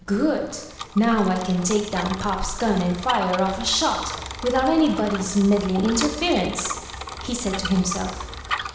"Good! Now I can take down pop's gun and fire off a shot, without anybody's meddling interference," he said to himself.